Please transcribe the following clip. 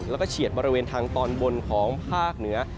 แล้วก็เฉียดบริเวณทางตอนบนของภาคเหนือ